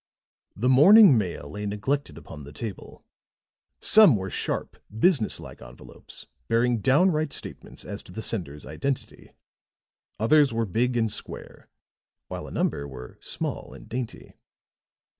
The morning mail lay neglected upon the table. Some were sharp, businesslike envelopes, bearing downright statements as to the senders' identity; others were big and square, while a number were small and dainty.